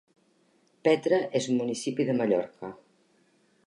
Petra és un municipi de Mallorca.